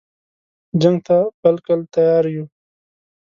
جنګ ته بالکل تیار یو.